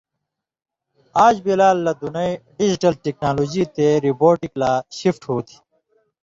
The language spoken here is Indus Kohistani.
آژ بلال لہ دُنئ ڈیجیٹل ٹیکنالوجی تے روبوٹک لا شفٹ ہوتھی،